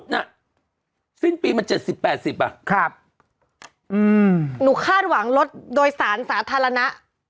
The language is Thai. น่ะสิ้นปีมันเจ็ดสิบแปดสิบอ่ะครับอืมหนูคาดหวังรถโดยสารสาธารณะ